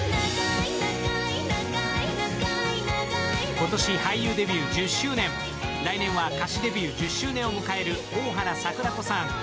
今年俳優デビュー１０周年、来年は歌手デビュー１０周年を迎える大原櫻子さん。